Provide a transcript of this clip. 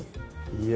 いや